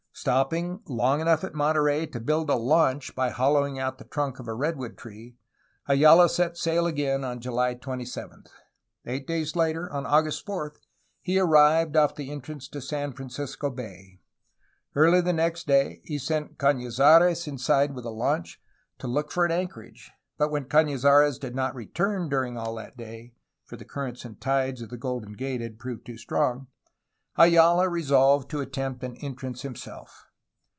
Stop ping long enough at Monterey to build a launch by hollowing out the trunk of a redwood tree, Ayala set sail again on July 27. Eight days later, on August 4, he arrived off the entrance to San Francisco Bay. Early next day he sent Canizares inside with the launch to look for an anchorage, but when Cafiizares did not return during all that day, for the currents and tides of the Golden Gate had proved too strong, Ayala resolved to attempt an entrance himself.